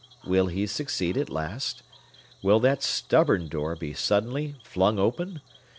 Will he succeed at last? Will that stubborn door be suddenly flung open?